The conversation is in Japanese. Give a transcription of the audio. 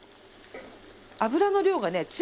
油の量がね